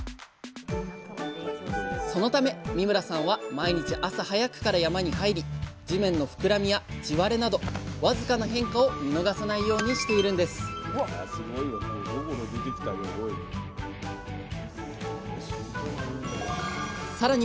そのため三村さんは毎日朝早くから山に入り地面の膨らみや地割れなどわずかな変化を見逃さないようにしているんですさらに